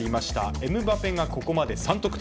エムバペがここまで３得点。